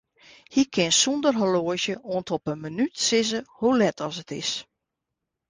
Hy kin sonder horloazje oant op 'e minút sizze hoe let as it is.